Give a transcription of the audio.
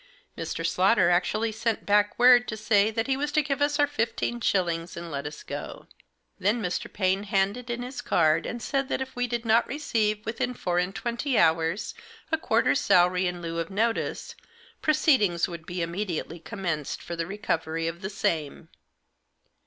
Mr. Slaughter actually sent back word to say that he was to give us our fifteen shillings and let us go. Then Mr. Paine handed in his card, and said that if we did not receive, within four and twenty hours, a quarter's salary in lieu of notice, proceedings would be imme diately commenced for the recovery of the same.